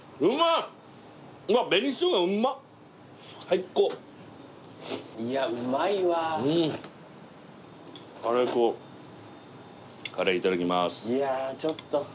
いやーちょっと。